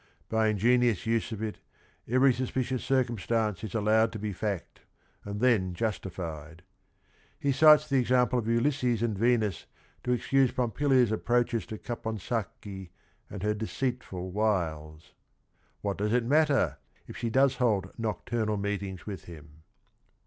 By ingenious use of it every suspicious circumstance is allowed to be fact, and then justified. He cites the example of Ulysses and Venus to excuse Pompilia's approaches to Caponsacchi and her deceitful wiles. What does it matter, if she does hold nocturnal meetings with him